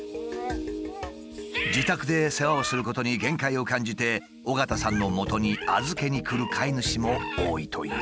自宅で世話をすることに限界を感じて緒方さんのもとに預けにくる飼い主も多いという。